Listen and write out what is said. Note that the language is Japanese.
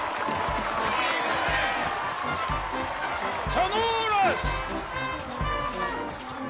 ソノーラス！